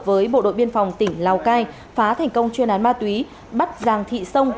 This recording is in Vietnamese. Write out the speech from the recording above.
với bộ đội biên phòng tỉnh lào cai phá thành công chuyên án ma túy bắt giàng thị sông